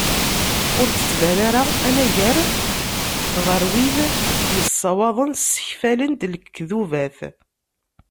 Ur d-tettban ara anagar ɣer wid yessawaḍen ssekfalen-d lekdubat.